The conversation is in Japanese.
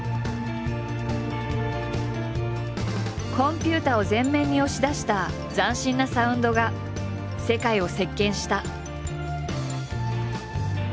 コンピュータを前面に押し出した斬新なサウンドが世界を席巻した。